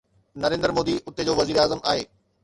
نريندر مودي اتي جو وزيراعظم آهي.